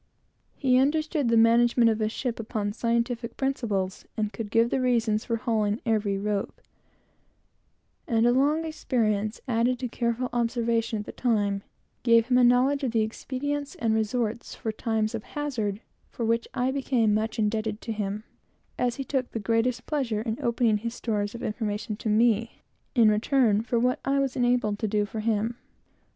He understood the management of a ship upon scientific principles, and could give the reason for hauling every rope; and a long experience, added to careful observation at the time, and a perfect memory, gave him a knowledge of the expedients and resorts in times of hazard, which was remarkable, and for which I became much indebted to him, as he took the greatest pleasure in opening his stores of information to me, in return for what I was able to do for him.